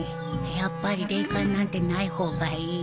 やっぱり霊感なんてない方がいいよ。